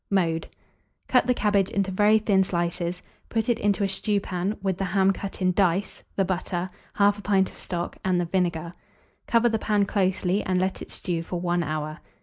Mode. Cut the cabbage into very thin slices, put it into a stewpan, with the ham cut in dice, the butter, 1/2 pint of stock, and the vinegar; cover the pan closely, and let it stew for 1 hour.